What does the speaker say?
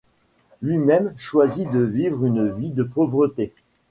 Lui-même choisit de vivre une vie de pauvreté.